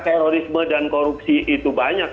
terorisme dan korupsi itu banyak